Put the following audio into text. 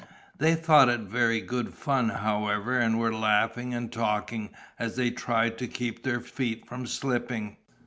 They thought it very good fun, however, and were laughing and talking, as they tried to keep their feet from slipping.